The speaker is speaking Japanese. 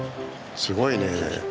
すごいね。